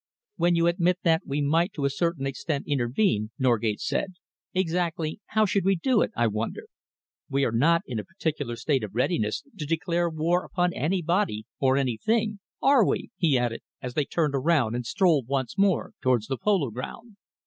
"When you admit that we might to a certain extent intervene," Norgate said, "exactly how should we do it, I wonder? We are not in a particular state of readiness to declare war upon anybody or anything, are we?" he added, as they turned around and strolled once more towards the polo ground.